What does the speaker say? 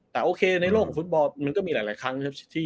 แต่โอเคในโลกของฟุตบอลมันก็มีหลายครั้งนะครับ